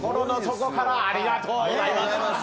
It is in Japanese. ありがとうございます。